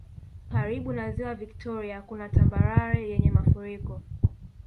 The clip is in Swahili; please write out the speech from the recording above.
Karibu na Ziwa viktoria kuna tambarare yenye mafuriko